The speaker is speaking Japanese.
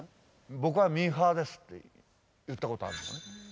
「僕はミーハーです」って言ったことあるのね。